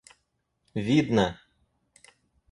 видно